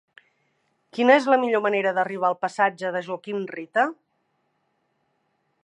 Quina és la millor manera d'arribar al passatge de Joaquim Rita?